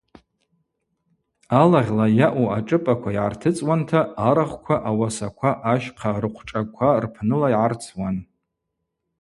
Алагъьла йаъу ашӏыпӏаква йгӏартыцӏуанта арахвква, ауасаква ащхъа рыхъвшӏаква рпныла йгӏарцуан.